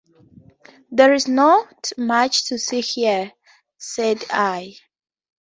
"There is not much to see here," said I.